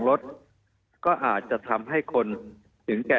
มีความรู้สึกว่ามีความรู้สึกว่า